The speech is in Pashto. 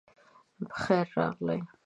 پخير راغلئ